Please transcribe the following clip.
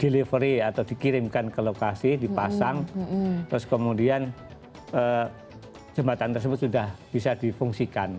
delivery atau dikirimkan ke lokasi dipasang terus kemudian jembatan tersebut sudah bisa difungsikan